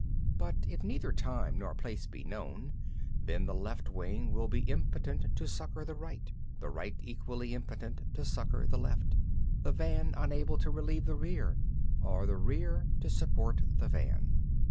20. But if neither time nor place be known, then the left wing will be impotent to succour the right, the right equally impotent to succour the left, the van unable to relieve the rear, or the rear to support the van.